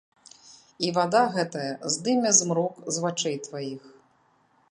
І вада гэтая здыме змрок з вачэй тваіх.